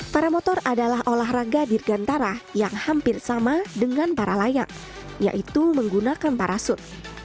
para motor adalah olahraga dirgantara yang hampir sama dengan para layak yaitu menggunakan parasut